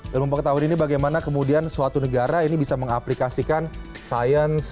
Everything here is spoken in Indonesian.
ilmu pengetahuan ini bagaimana kemudian suatu negara ini bisa mengaplikasikan sains